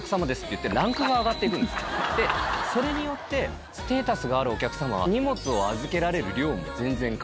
でそれによってステータスがあるお客様は荷物を預けられる量も全然変わります。